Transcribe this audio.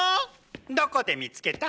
⁉どこで見つけた？